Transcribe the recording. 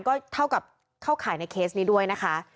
ก็เท่ากับเข้าข่ายในเคสนี้ด้วยนะคะ